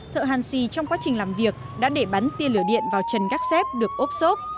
thợ hàn xì trong quá trình làm việc đã để bắn tia lửa điện vào trần gác xếp được ốp xốp